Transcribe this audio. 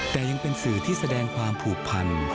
แต่ยังเป็นสื่อที่แสดงความผูกพัน